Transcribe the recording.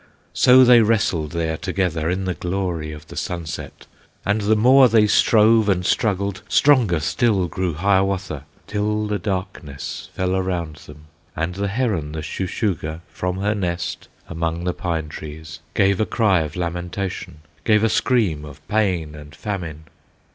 So they wrestled there together In the glory of the sunset, And the more they strove and struggled, Stronger still grew Hiawatha; Till the darkness fell around them, And the heron, the Shuh shuh gah, From her nest among the pine trees, Gave a cry of lamentation, Gave a scream of pain and famine.